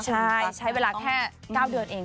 ใช่ใช้เวลาแค่๙เดือนเอง